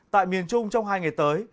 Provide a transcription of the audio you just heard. tại miền trung trong hai ngày tới